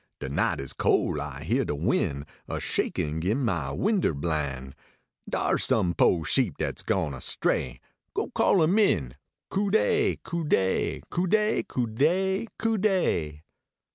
De night is col I hear de win , A shakin gin my winder blin ; Dars some po sheep dat s gone astray Go call em in, Cu dey ! Cu dey ! Cu dey ! Cn dey ! Cu rley